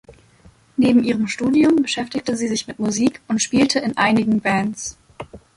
Neben ihrem Studium beschäftigte sie sich mit Musik und spielte in einigen Bands.